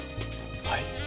はい？